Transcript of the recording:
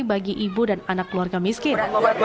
bagi ibu dan anak keluarga miskin